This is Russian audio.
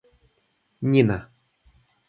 Нина